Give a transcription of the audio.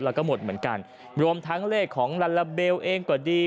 แล้วก็หมดเหมือนกันรวมทั้งเลขของลาลาเบลเองก็ดี